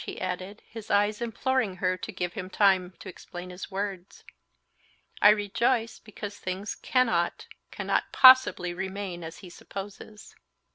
he added, his eyes imploring her to give him time to explain his words. "I rejoice, because things cannot, cannot possibly remain as he supposes."